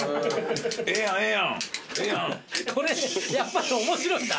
これやっぱり面白いな。